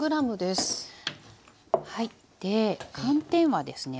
で寒天はですね